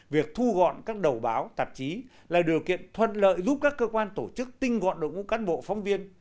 việc thu gọn các đầu báo tạp chí là điều kiện thuận lợi giúp các cơ quan tổ chức tinh gọn đội ngũ cán bộ phóng viên